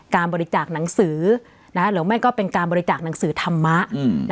การบริจาคหนังสือหรือไม่ก็เป็นการบริจาคหนังสือธรรมะ